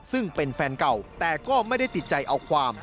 ซึ่งเป็นแฟนเก่าแต่ก็ไม่ได้ติดใจเอาความ